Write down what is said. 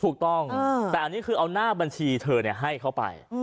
ถูกต้องแต่อันนี้คือเอาหน้าบัญชีเธอให้เขาไป